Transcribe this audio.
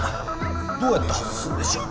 どうやって外すんでしょう？